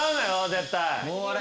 絶対。